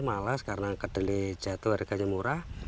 malas karena kedelai jatuh harganya murah